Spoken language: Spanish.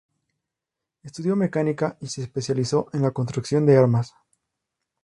Estudio mecánica y se especializó en la construcción de armas.